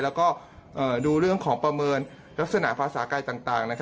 แล้วก็ดูเรื่องของประเมินลักษณะภาษากายต่าง